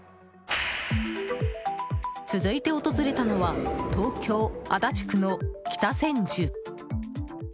続いて訪れたのは東京・足立区の北千住。